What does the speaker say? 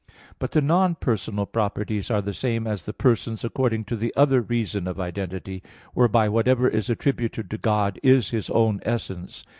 But the non personal properties are the same as the persons according to the other reason of identity, whereby whatever is attributed to God is His own essence.